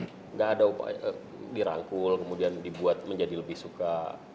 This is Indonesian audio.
tidak ada upaya dirangkul kemudian dibuat menjadi lebih suka